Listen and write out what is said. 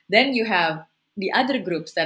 kemudian anda memiliki grup lain yang